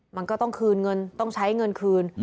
มันก็ต้องคืนเงินต้องใช้เงินคืน